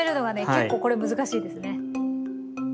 結構これ難しいですね。